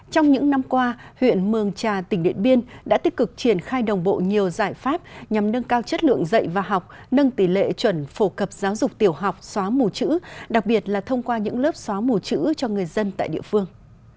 trong những năm qua huyện mường trà tỉnh điện biên đã tích cực triển khai đồng bộ nhiều giải pháp nhằm nâng cao chất lượng dạy và học nâng tỷ lệ chuẩn phổ cập giáo dục tiểu học xóa mù chữ đặc biệt là thông qua những lớp xóa mù chữ cho người dân tại địa phương